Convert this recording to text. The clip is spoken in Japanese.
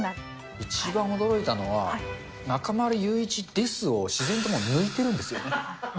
一番驚いたのは、中丸雄一ですを自然ともう抜いてるんですよね。